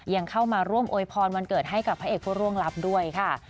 ยังเข้ามาร่วมโอยพรวันเกิดให้กับพระเอกผู้ร่วงลับด้วยค่ะ